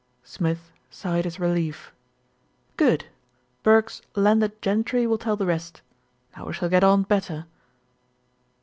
Smith sighed his relief. "Good. Burke's Landed Gentry will tell the rest. Now we shall get on better."